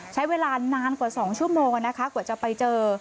ใช้เวลานานกว่า๒ชั่วโมงนะคะกว่าจะไปเจอ